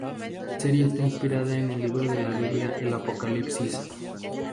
La serie está inspirada en el libro de la Biblia el Apocalipsis.